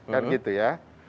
kan gitu ya